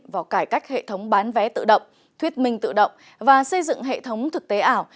vào cải cách hệ thống bán vé tự động thuyết minh tự động và xây dựng hệ thống thực tế ảo